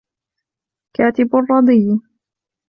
كَاتِب الرَّضِيِّ